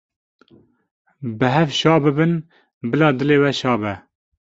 Bi hev şa bibin, bila dilê we şa be.